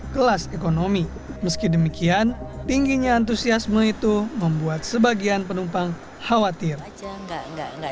kelas ekonomi meski demikian tingginya antusiasme itu membuat sebagian penumpang khawatir enggak enggak enggak